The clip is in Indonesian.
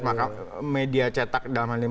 maka media cetak dalam hal ini